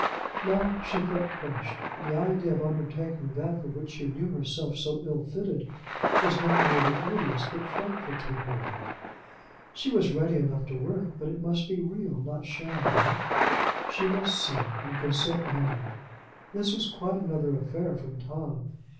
Now she felt crushed. The idea of undertaking that for which she knew herself so ill fitted was not merely odious but frightful to her. She was ready enough to work, but it must be real, not sham work. She must see and consult Mary! This was quite another affair from Tom!